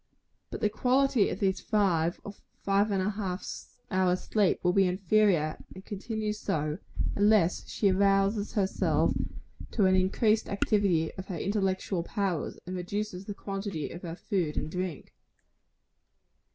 But the quality of these five or five and a half hours' sleep will be inferior, and continue so, unless she arouses herself to an increased activity of her intellectual powers, and reduces the quantity of her food and drink.